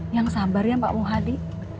yang sabar ya pak mohadi